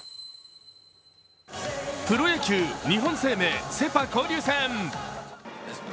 プロ野球、日本生命セ・パ交流戦。